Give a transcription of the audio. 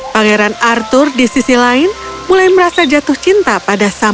pangeran arthur di sisi lain mulai merasa jatuh cinta pada sampah